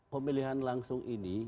pemilihan langsung ini